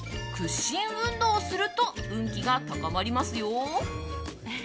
屈伸運動をすると運気が高まりますよ。